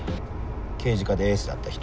刑事課でエースだった人。